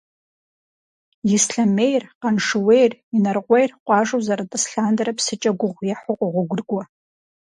Ислъэмейр, Къаншыуейр, Инарыкъуейр къуажэу зэрытӏыс лъандэрэ псыкӏэ гугъу ехьу къогъуэгурыкӏуэ.